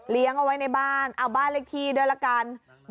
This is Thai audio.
เอาไว้ในบ้านเอาบ้านเลขที่ด้วยละกัน